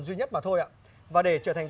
duy nhất mà thôi ạ và để trở thành